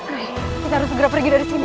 oke kita harus segera pergi dari sini